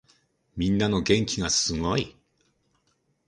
みんなの元気がすごい。